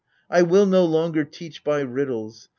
I will no longer teach by riddles.